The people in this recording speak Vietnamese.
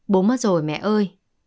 bố mất rồi mẹ ơi